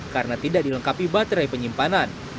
karena tidak dilengkapi baterai penyimpanan